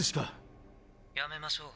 「やめましょう」。